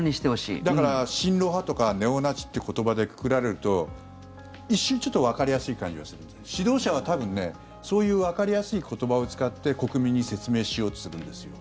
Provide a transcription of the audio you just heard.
だから親ロ派とかネオナチという言葉でくくられると一瞬ちょっとわかりやすい感じはするので指導者は多分そういうわかりやすい言葉を使って国民に説明しようとするんですよ。